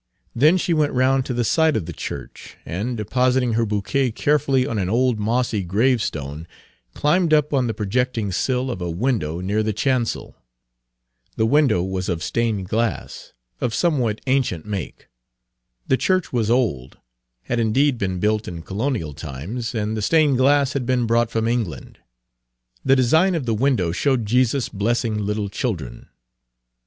Then she went round to the side of the church, and, depositing her bouquet carefully Page 286 on an old mossy gravestone, climbed up on the projecting sill of a window near the chancel. The window was of stained glass, of somewhat ancient make. The church was old, had indeed been built in colonial times, and the stained glass had been brought from England. The design of the window showed Jesus blessing little children.